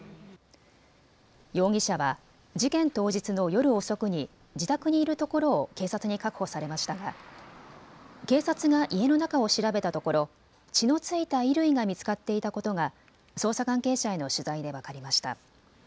容疑者は事件当日の夜遅くに自宅にいるところを警察に確保されましたが警察が家の中を調べたところ血の付いた衣類が見つかっていたことが捜査関係者への取材で分かりました。